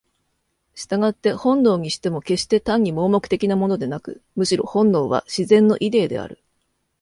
従って本能にしても決して単に盲目的なものでなく、むしろ本能は「自然のイデー」である。